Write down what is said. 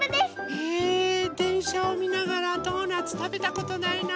へぇでんしゃをみながらドーナツたべたことないな。